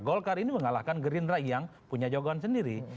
golkar ini mengalahkan gerindra yang punya jagoan sendiri